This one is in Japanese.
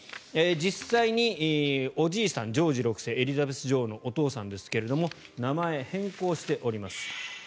実際におじいさん、ジョージ６世エリザベス女王のお父さんですが名前、変更しております。